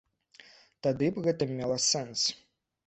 Тады б гэта мела сэнс.